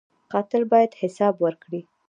قاتل باید حساب ورکړي